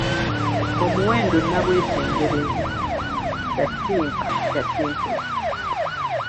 Omuwendo nnabwetengerezi Gattimpa Gatimpule: